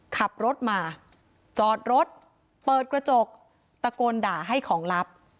ขับรถมาจอดรถเปิดกระจกตะโกนด่าให้ของลับ